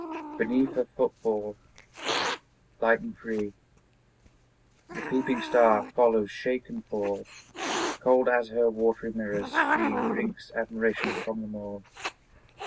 Beneath her footfall light and free The peeping star follows shake and fall; Cold as her watery mirrors, she Drinks admiration from them all.